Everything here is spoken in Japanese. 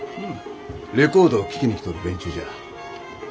レコードを聴きに来とる連中じゃ。